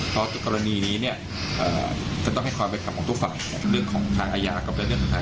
ตอนนี้นายก็คงต้องตั้งคณะกรรมการ